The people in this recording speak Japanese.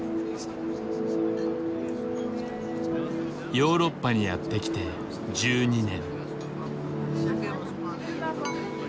ヨーロッパにやって来て１２年。